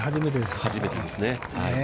初めてですね。